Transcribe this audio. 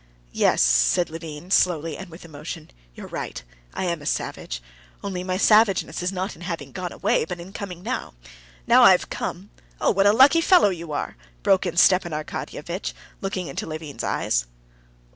"Yes," said Levin, slowly and with emotion, "you're right. I am a savage. Only, my savageness is not in having gone away, but in coming now. Now I have come...." "Oh, what a lucky fellow you are!" broke in Stepan Arkadyevitch, looking into Levin's eyes.